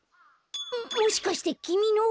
もしかしてきみの？